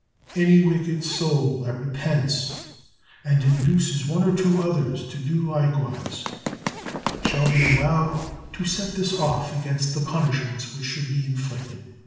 Any wicked soul that repents and induces one or two others to do likewise shall be allowed to set this off against the punishments which should be inflicted."